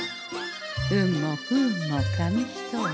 運も不運も紙一重。